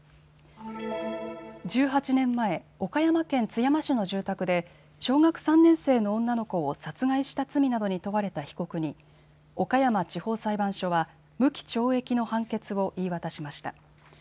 １８年前、岡山県津山市の住宅で小学３年生の女の子を殺害した罪などに問われた被告に岡山地方裁判所は無期懲役の判決を言い渡しました。